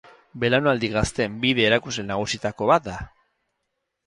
Belaunaldi gazteen bide-erakusle nagusietako bat.